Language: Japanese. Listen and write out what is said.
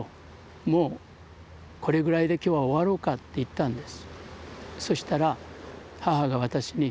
もうこれぐらいで今日は終わろうか」って言ったんです。